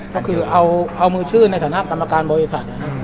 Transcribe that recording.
ก็คือเอามือชื่อในฐานะกรรมการบริษัท